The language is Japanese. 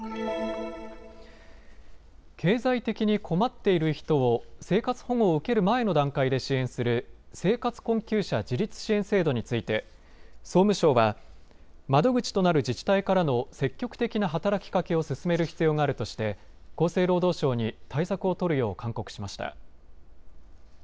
経済的に困っている人を生活保護を受ける前の段階で支援する生活困窮者自立支援制度について総務省は窓口となる自治体からの積極的な働きかけを進める必要があるとして厚生労働省に対策を取るよう勧告しました。